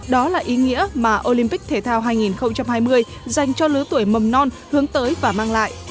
đó là ý nghĩa mà olympic thể thao hai nghìn hai mươi dành cho lứa tuổi mầm non hướng tới và mang lại